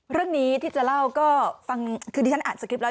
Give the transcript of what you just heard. เรื่องนี้ที่จะเล่าก็ฟังคือที่ฉันอ่านสคริปต์แล้ว